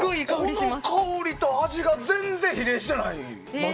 この香りと味が全然まだ比例してない。